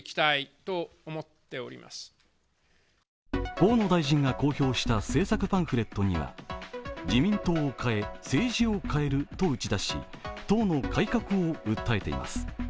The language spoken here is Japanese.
河野大臣が公表した政策パンフレットには「自民党を変え、政治を変える」と打ち出し党の改革を訴えています。